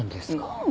うん。